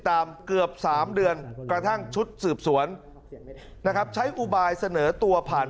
เกือบ๓เดือนกระทั่งชุดสืบสวนนะครับใช้อุบายเสนอตัวผ่าน